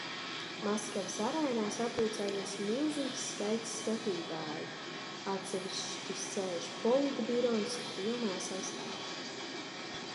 Maskavas arēnā sapulcējies milzīgs skaits skatītāju, atsevišķi sēž politbirojs pilnā sastāvā.